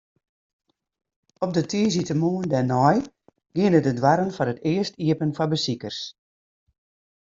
Op de tiisdeitemoarn dêrnei giene de doarren foar it earst iepen foar besikers.